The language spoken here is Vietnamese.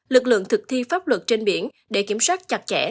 lực lượng thực thi pháp luật trên biển để kiểm soát chặt chẽ